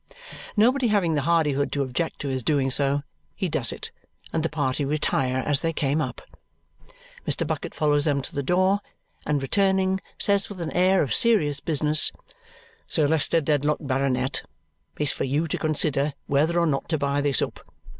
Nobody having the hardihood to object to his doing so, he does it, and the party retire as they came up. Mr. Bucket follows them to the door, and returning, says with an air of serious business, "Sir Leicester Dedlock, Baronet, it's for you to consider whether or not to buy this up.